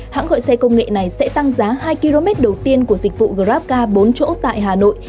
hãng gọi xe công nghệ này sẽ tăng giá hai km đầu tiên của dịch vụ grabca bốn chỗ tại hà nội